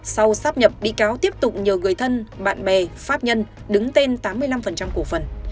sau sắp nhập bị cáo tiếp tục nhờ người thân bạn bè pháp nhân đứng tên tám mươi năm cổ phần